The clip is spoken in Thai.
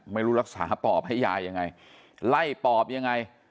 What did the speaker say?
ไม่รู้รักษาปอบให้ยายยังไงไล่ปอบยังไง